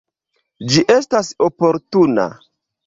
Ĝi estas oportuna.